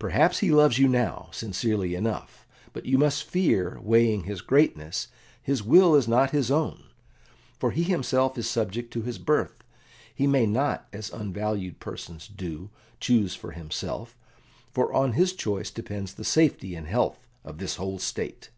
"Perhaps he loves you now, sincerely enough, but you must fear, weighing his greatness, his will is not his own; for he himself is subject to his birth. He may not, as unvalued persons do, choose for himself, for on his choice depends the safety and health of this whole State."